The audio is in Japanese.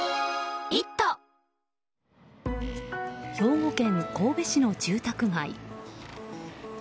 兵庫県神戸市の住宅街。